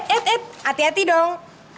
eh eh eh hati hati dong